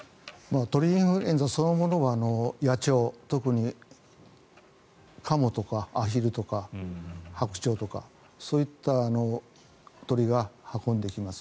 鳥インフルエンザそのものは野鳥、特にカモとかアヒルとかハクチョウとかそういった鳥が運んできます。